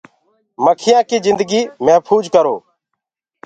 مکيآنٚ ڪي جنگي مهڦوج ڪرو۔